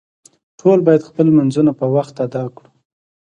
ټول باید خپل لمونځونه په وخت ادا کړو